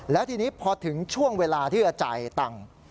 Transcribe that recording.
แล้วทีนี้พอถึงช่วงเวลาที่จะจ่ายตังค์